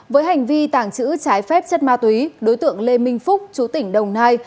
với hành vi tàng trữ trái phép chất ma túy đối tượng lê minh phúc chú tỉnh đồng nai